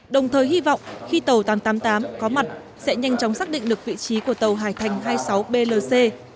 đồng thời hy vọng khi tàu tám trăm tám mươi tám có mặt sẽ nhanh chóng xác định được vị trí của tàu hải thành hai mươi sáu blc